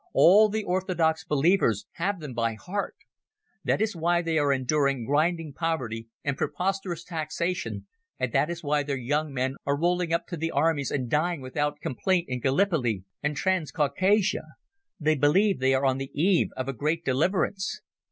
All the orthodox believers have them by heart. That is why they are enduring grinding poverty and preposterous taxation, and that is why their young men are rolling up to the armies and dying without complaint in Gallipoli and Transcaucasia. They believe they are on the eve of a great deliverance.